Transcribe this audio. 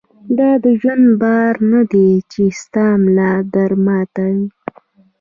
دا د ژوند بار نه دی چې ستا ملا در ماتوي.